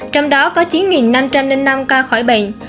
trong đó có chín năm trăm linh năm ca khỏi bệnh